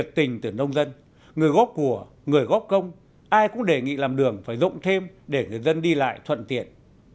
tình từ nông dân người góp của người góp công ai cũng đề nghị làm đường phải rộng thêm để người dân đi lại thuận tiện